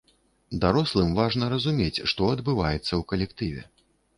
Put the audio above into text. Дарослым важна разумець, што адбываецца ў калектыве.